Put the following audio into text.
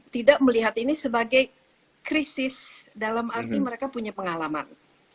tidak melihat ini sebagai krisis dalam arti mereka punya pengalaman